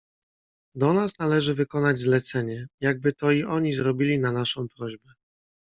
"Do nas należy wykonać zlecenie, jakby to i oni zrobili na naszą prośbę."